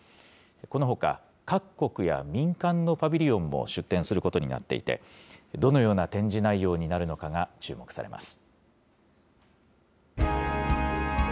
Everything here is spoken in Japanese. このほか各国や民間のパビリオンも出展することになっていて、どのような展示内容になるのかが注目されます。